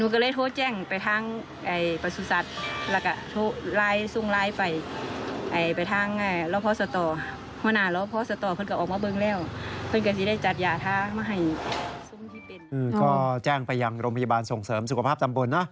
ก็แจ้งไปยังโรงพยาบาลส่งเสริมสุขภาพตำบล